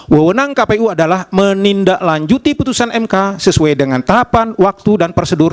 wewenang kpu adalah menindaklanjuti putusan mk sesuai dengan tahapan waktu dan prosedur